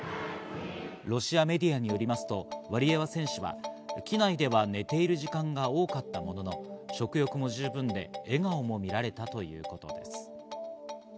ロシアメディアによりますと、ワリエワ選手は機内では寝ている時間が多かったものの、食欲も十分で笑顔も見られたといいます。